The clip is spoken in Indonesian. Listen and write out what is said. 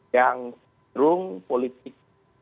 yang cenderung politik